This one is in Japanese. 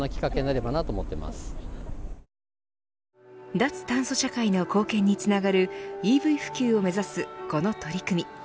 脱炭素社会の貢献につながるＥＶ普及を目指すこの取り組み。